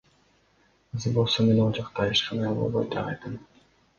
Азыр болсо мен ал жакта ишкана болбойт деп айттым.